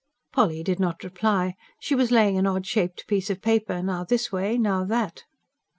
Polly did not reply; she was laying an odd shaped piece of paper now this way, now that.